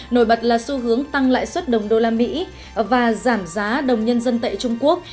nổi bật là xu hướng tăng lãi suất đồng đô la mỹ và giảm giá đồng nhân dân tệ trung quốc